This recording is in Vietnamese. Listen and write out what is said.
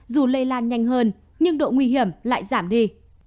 dù lây lan nhanh hơn nhưng độ nguy hiểm lại giảm đi